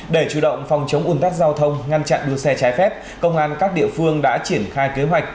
để chủ động phòng chống ủn tắc giao thông ngăn chặn đua xe trái phép công an các địa phương đã triển khai kế hoạch